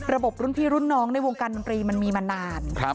รุ่นพี่รุ่นน้องในวงการดนตรีมันมีมานาน